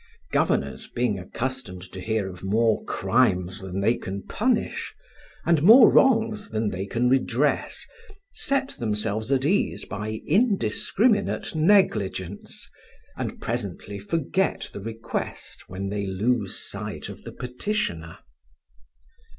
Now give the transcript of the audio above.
Governors being accustomed to hear of more crimes than they can punish, and more wrongs than they can redress, set themselves at ease by indiscriminate negligence, and presently forget the request when they lose sight of the petitioner.